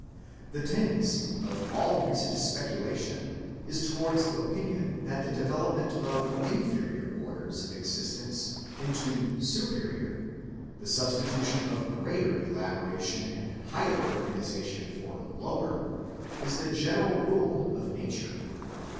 The tendency of all recent speculation is towards the opinion that the development of inferior orders of existence into superior, the substitution of greater elaboration and higher organization for lower, is the general rule of Nature.